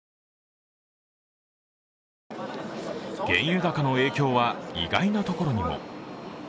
原油高の影響は意外なところにも。